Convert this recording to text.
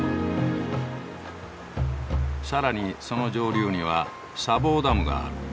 さらにその上流には砂防ダムがある。